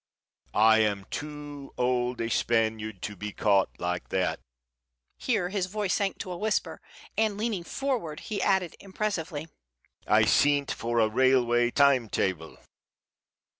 I am too old a Spaniard to be caught like that." Here his voice sank to a whisper, and, leaning forward, he added, impressively: "I sent for a railway time table.